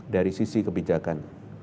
dari sisi kebijakan